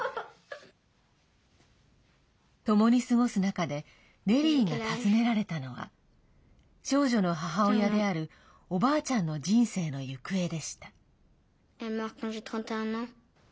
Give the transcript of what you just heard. ともに過ごす中でネリーが尋ねられたのは少女の母親であるおばあちゃんの人生の行方でした。